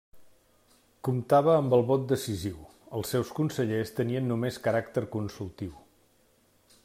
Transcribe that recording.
Comptava amb el vot decisiu, els seus consellers tenien només caràcter consultiu.